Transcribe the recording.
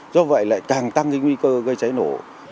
do vậy lại càng tăng cái nguy cơ gây cháy nổ